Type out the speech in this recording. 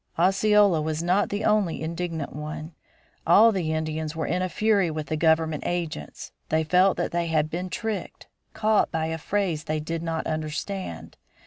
Osceola was not the only indignant one. All the Indians were in a fury with the government agents. They felt that they had been tricked, caught by a phrase they did not understand.